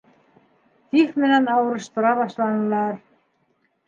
Тиф менән ауырыштыра башланылар.